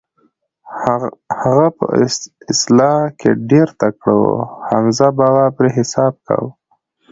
هغه په اصلاح کې ډېر تکړه و، حمزه بابا پرې حساب کاوه.